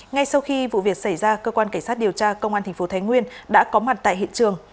ngay sau khi vụ việc xảy ra cơ quan cảnh sát điều tra công an tp thái nguyên đã có mặt tại hiện trường